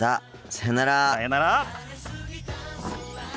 さよなら。